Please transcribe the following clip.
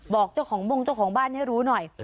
บอกเจ้าของมงเจ้าของบ้านให้รู้หน่อย